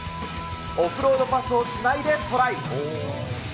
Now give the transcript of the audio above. オフロードパスをつないでトライ。